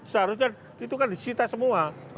seharusnya itu kan disita semua